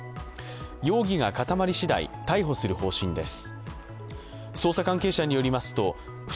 容疑が固まりしだい逮捕する方針です。